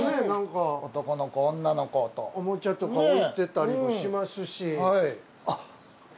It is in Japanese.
何かおとこのこおんなのことおもちゃとか置いてたりもしますしあっ